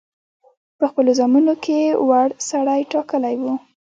په خپلو زامنو کې وړ سړی ټاکلی وو.